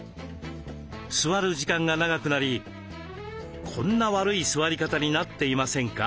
座る時間が長くなりこんな悪い座り方になっていませんか？